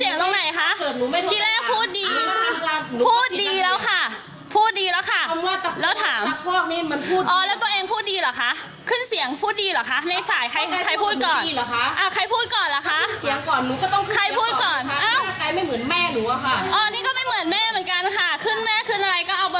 อ๋อนี่ก็ไม่เหมือนแม่เหมือนกันค่ะขึ้นแม่ขึ้นอะไรก็เอาเบอร์มาค่ะ